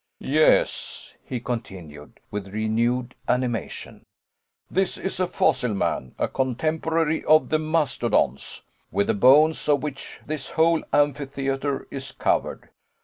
"Yes," he continued, with renewed animation, "this is a fossil man, a contemporary of the mastodons, with the bones of which this whole amphitheater is covered.